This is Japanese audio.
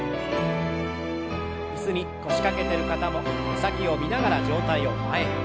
椅子に腰掛けてる方も手先を見ながら上体を前に。